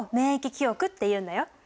記憶っていうんだよ。